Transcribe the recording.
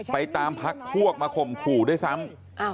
ไปตามพักพวกมาข่มขู่ด้วยซ้ำ